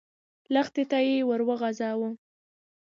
لښتي ته يې ور وغځاوه.